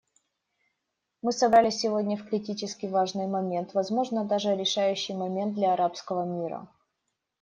Мы собрались сегодня в критически важный момент — возможно, даже решающий момент — для арабского мира.